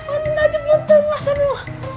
aduh ngeceplah tengah sana